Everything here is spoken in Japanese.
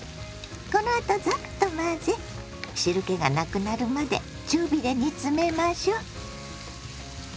このあとザッと混ぜ汁けがなくなるまで中火で煮詰めましょ。